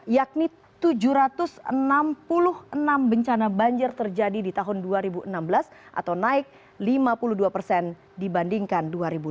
yakni tujuh ratus enam puluh enam bencana banjir terjadi di tahun dua ribu enam belas atau naik lima puluh dua persen dibandingkan dua ribu lima belas